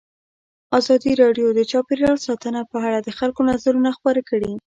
ازادي راډیو د چاپیریال ساتنه په اړه د خلکو نظرونه خپاره کړي.